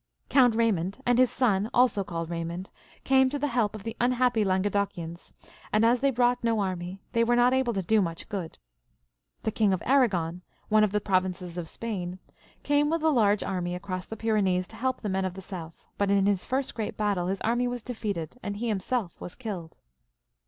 Coimt Baymond and his son, also called Raymond, came to the he^ of the unhappy Languedocians, but as they brought no army, they wfere not able to do them much good. The King of Arragon, one of the provinces of Spain, came with a large army across the Pyrenees to help the men of the south, but in his first greatbattle his army was defeated, and he himself was killed.